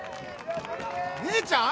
姉ちゃん。